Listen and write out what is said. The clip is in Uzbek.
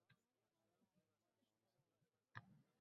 Kallam tegirmondek guldirab ishladi